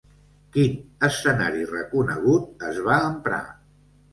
Quin escenari reconegut es va emprar?